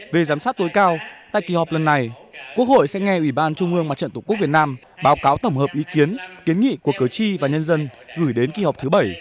về giám sát tối cao tại kỳ họp lần này quốc hội sẽ nghe ủy ban trung ương mặt trận tổ quốc việt nam báo cáo tổng hợp ý kiến kiến nghị của cử tri và nhân dân gửi đến kỳ họp thứ bảy